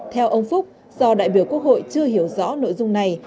theo ông phúc do đại biểu quốc hội chưa hiểu rõ nội dung này